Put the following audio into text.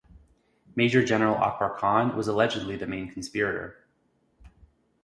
Major General Akbar Khan was allegedly the main conspirator.